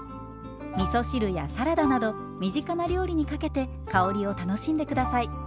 みそ汁やサラダなど身近な料理にかけて香りを楽しんで下さい。